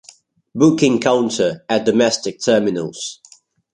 Booking counter at domestic terminals.